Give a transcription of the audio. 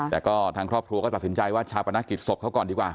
แต่ก็ทางครอบครัวก็ตัดสินใจว่าชาปนกิจศพเขาก่อนดีกว่า